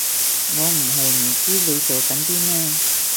我唔係唔知你做緊啲咩